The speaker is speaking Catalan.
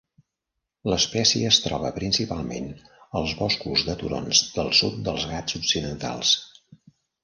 L'espècie es troba principalment als boscos de turons del sud dels Ghats Occidentals.